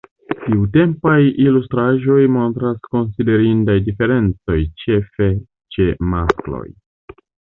Tiutempaj ilustraĵoj montras konsiderindajn diferencojn, ĉefe ĉe maskloj.